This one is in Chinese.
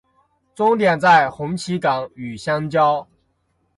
终点在红旗岗与相交。